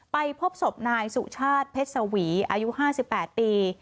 ไปพบศพนายสุชาติเพชรสวีอายุ๕๘ปี